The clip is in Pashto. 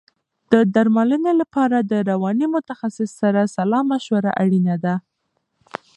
د درملنې لپاره د رواني متخصص سره سلا مشوره اړینه ده.